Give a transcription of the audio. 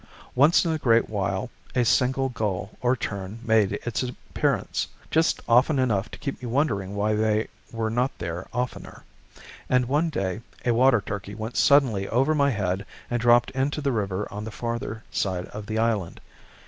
Once in a great while a single gull or tern made its appearance, just often enough to keep me wondering why they were not there oftener, and one day a water turkey went suddenly over my head and dropped into the river on the farther side of the island.